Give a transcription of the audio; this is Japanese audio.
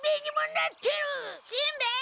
しんべヱ！